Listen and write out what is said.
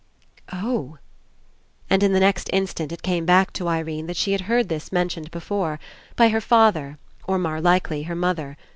"Oh!" And in the next instant it came back to Irene that she had heard this mentioned before; by her father, or, more likely, her mother.